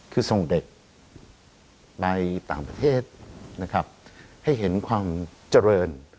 คือส่งเด็กในต่างประเทศนะครับให้เห็นความเจริญ